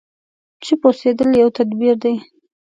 چوپ اوسېدل يو تدبير دی.